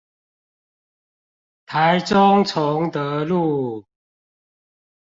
台中崇德路